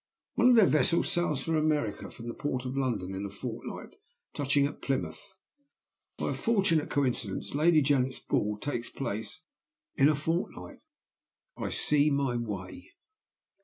"One of their vessels sails for America, from the port of London, in a fortnight, touching at Plymouth. By a fortunate coincidence, Lady Janet's ball takes place in a fortnight. I see my way.